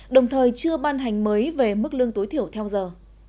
đồng thời chưa ban hành mới về mức lương tối thiểu theo giờ